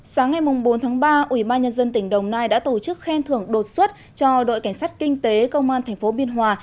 sáng ngày bốn tháng ba ubnd tỉnh đồng nai đã tổ chức khen thưởng đột xuất cho đội cảnh sát kinh tế công an tp biên hòa